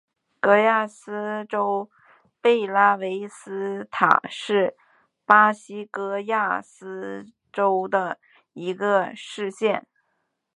戈亚斯州贝拉维斯塔是巴西戈亚斯州的一个市镇。